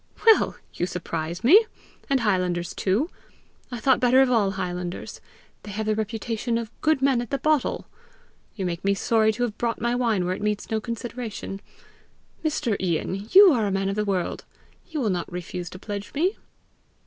"Well, you surprise me! And highlanders too! I thought better of all highlanders; they have the reputation of good men at the bottle! You make me sorry to have brought my wine where it meets with no consideration. Mr. Ian, you are a man of the world: you will not refuse to pledge me?"